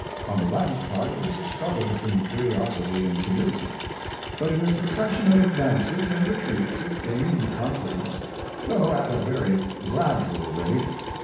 On the lamb's part it was a struggle between curiosity and timidity, but in a succession of advances and retreats it gained confidence, though at a very gradual rate.